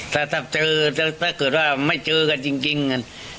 ถ้าถ้าเจอถ้าถ้าเกิดว่าไม่เจอกันจริงจริงกัน